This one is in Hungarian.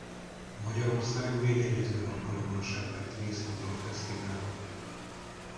Magyarország még egyetlen alkalommal sem vett részt a dalfesztiválon.